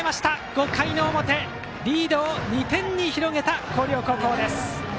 ５回表リードを２点に広げた広陵高校。